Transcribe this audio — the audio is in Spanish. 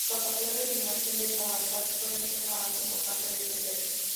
Su capacidad de eliminación de radicales puede ser una base importante de este efecto.